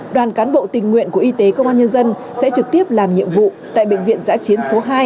đoàn cán bộ tình nguyện của y tế công an nhân dân sẽ trực tiếp làm nhiệm vụ tại bệnh viện giã chiến số hai